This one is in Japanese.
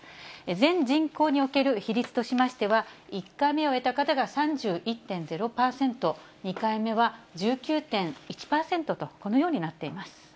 全人口における比率としましては、１回目を終えた方が３１．０％、２回目は１９．１％と、このようになっています。